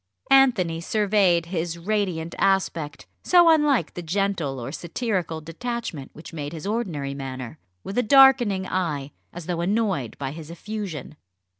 Anthony surveyed his radiant aspect so unlike the gentle or satirical detachment which made his ordinary manner with a darkening eye, as though annoyed by his effusion.